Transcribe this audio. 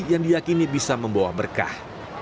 yang diyakini bisa membawa berkah